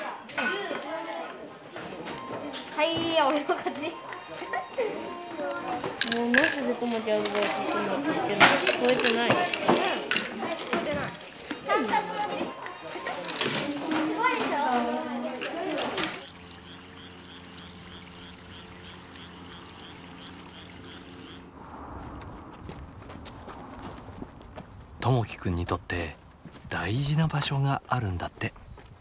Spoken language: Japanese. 友輝くんにとって大事な場所があるんだって。